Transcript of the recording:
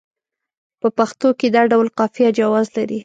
په پښتو کې دا ډول قافیه جواز لري.